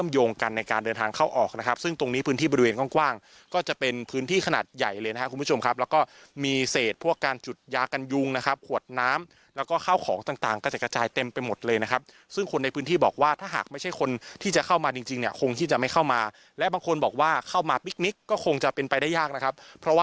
ในการเดินทางเข้าออกนะครับซึ่งตรงนี้พื้นที่บริเวณกว้างก็จะเป็นพื้นที่ขนาดใหญ่เลยนะครับคุณผู้ชมครับแล้วก็มีเศษพวกการจุดยากันยุงนะครับขวดน้ำแล้วก็ข้าวของต่างก็จะกระจายเต็มไปหมดเลยนะครับซึ่งคนในพื้นที่บอกว่าถ้าหากไม่ใช่คนที่จะเข้ามาจริงจริงเนี่ยคงที่จะไม่เข้ามาและบางคนบอกว่าเข้ามาปิ๊กนิกก็คงจะเป็นไปได้ยากนะครับเพราะว่า